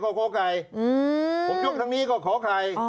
ขอกไก่อืมผมยกทางนี้ก็ขอกไก่อ๋อ